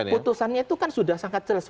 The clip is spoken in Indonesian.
putusannya itu kan sudah sangat jelas